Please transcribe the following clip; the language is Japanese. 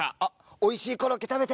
おいしいコロッケ食べて。